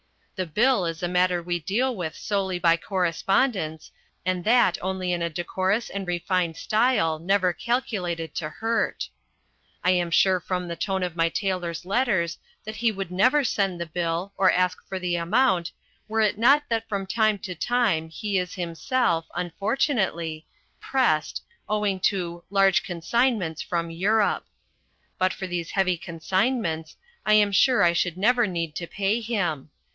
The bill is a matter we deal with solely by correspondence, and that only in a decorous and refined style never calculated to hurt. I am sure from the tone of my tailor's letters that he would never send the bill, or ask for the amount, were it not that from time to time he is himself, unfortunately, "pressed" owing to "large consignments from Europe." But for these heavy consignments, I am sure I should never need to pay him.